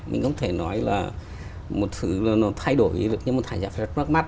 mình không thể nói là một thứ nó thay đổi được như một giải pháp rất mắt mắt